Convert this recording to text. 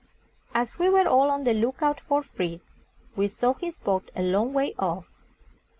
As we were all on the look out for Fritz, we saw his boat a long way off.